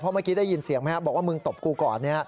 เมื่อกี้ได้ยินเสียงไหมครับบอกว่ามึงตบกูก่อน